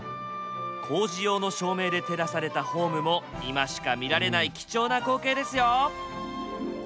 工事用の照明で照らされたホームも今しか見られない貴重な光景ですよ。